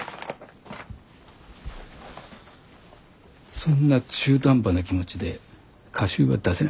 そんな中途半端な気持ちで歌集は出せない。